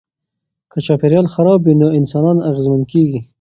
که چاپیریال خراب وي نو انسانان اغېزمن کیږي.